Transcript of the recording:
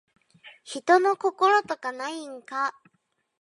人の心とかないんか